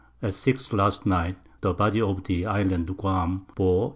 _ At 6 last Night, the Body of the Island Guam bore E.